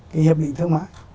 cái hiệp định thương mại